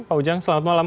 pak ujang selamat malam